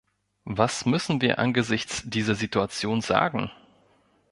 Was müssen wir angesichts dieser Situation sagen?